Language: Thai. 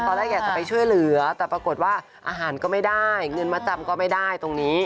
แรกอยากจะไปช่วยเหลือแต่ปรากฏว่าอาหารก็ไม่ได้เงินมาจำก็ไม่ได้ตรงนี้